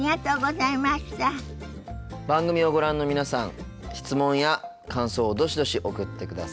番組をご覧の皆さん質問や感想をどしどし送ってください。